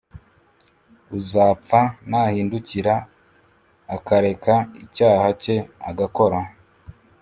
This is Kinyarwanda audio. uzapfa nahindukira akareka icyaha cye agakora